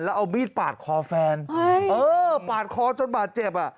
แล้วเอามีดปาดคอแฟนเออปาดคอจนบาดเจ็บอ่ะ